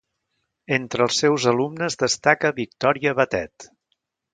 Entre els seus alumnes destaca Victòria Batet.